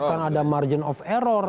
bukan ada margin of error